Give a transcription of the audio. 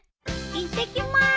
いってきます。